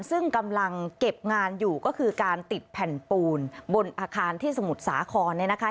ซึ่งกำลังเก็บงานอยู่ก็คือการติดแผ่นปูนบนอาคารที่สมุทรสาครเนี่ยนะคะ